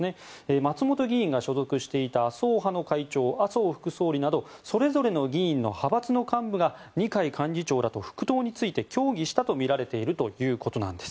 松本議員が所属していた麻生派の会長麻生副総理などそれぞれの議員の派閥の幹部が二階幹事長らと復党について協議したとみられているということです。